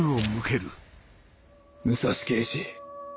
武蔵刑事。